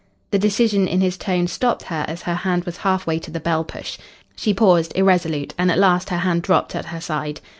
The decision in his tone stopped her as her hand was half way to the bell push. She paused irresolute, and at last her hand dropped at her side.